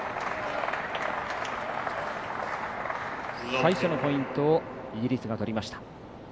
最初のポイントをイギリスが取りました。